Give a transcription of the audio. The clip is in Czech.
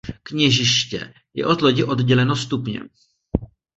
Kněžiště je od lodi odděleno stupněm.